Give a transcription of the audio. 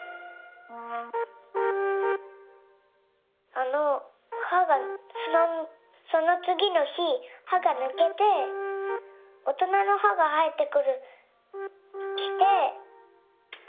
あのはがそのつぎのひはがぬけておとなのはがはえてきて。